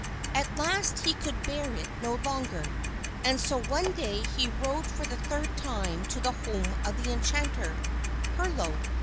At last he could bear it no longer, and so one day he rode for the third time to the home of the enchanter, Herlo.